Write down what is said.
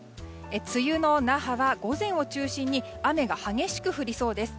梅雨の那覇は午前を中心に雨が激しく降りそうです。